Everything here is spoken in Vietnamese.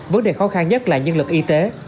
vấn đề khó khăn nhất là nhân lực y tế